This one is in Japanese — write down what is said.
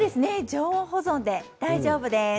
常温保存で大丈夫です。